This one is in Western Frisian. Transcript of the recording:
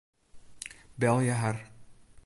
Belje har.